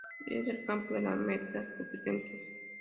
Es el campo de las meta competencias.